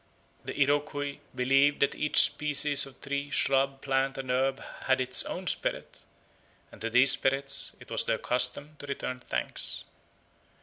The Iroquois believed that each species of tree, shrub, plant, and herb had its own spirit, and to these spirits it was their custom to return thanks.